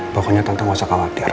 pokoknya tante gak usah khawatir